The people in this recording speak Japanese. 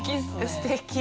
すてき。